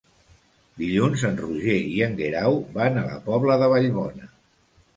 Dilluns en Roger i en Guerau van a la Pobla de Vallbona.